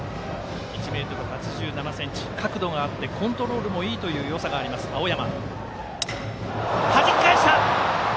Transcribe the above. １ｍ８７ｃｍ角度があってコントロールもいいというよさがある青山。